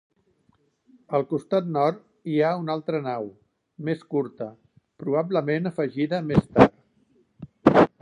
Al costat nord hi ha una altra nau, més curta, probablement afegida més tard.